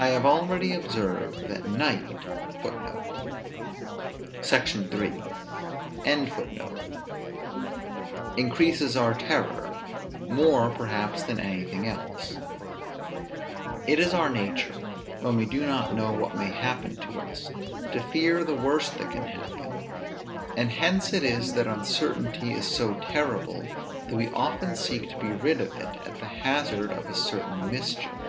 I have already observed, that night increases our terror, more perhaps than anything else; it is our nature, when we do not know what may happen to us, to fear the worst that can happen; and hence it is that uncertainty is so terrible, that we often seek to be rid of it, at the hazard of a certain mischief.